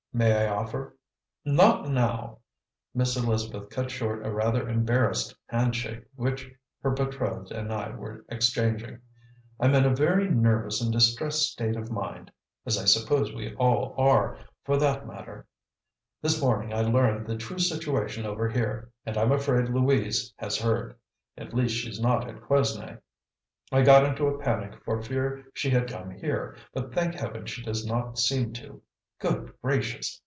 "May I offer " "Not now!" Miss Elizabeth cut short a rather embarrassed handshake which her betrothed and I were exchanging. "I'm in a very nervous and distressed state of mind, as I suppose we all are, for that matter. This morning I learned the true situation over here; and I'm afraid Louise has heard; at least she's not at Quesnay. I got into a panic for fear she had come here, but thank heaven she does not seem to Good gracious!